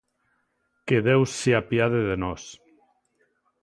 Que Deus se apiade de nós.